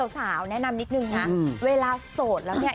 สาวแนะนำนิดนึงนะเวลาโสดแล้วเนี่ย